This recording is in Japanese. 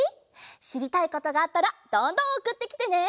しりたいことがあったらどんどんおくってきてね！